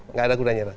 enggak ada gunanya